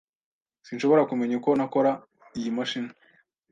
Sinshobora kumenya uko nakora iyi mashini.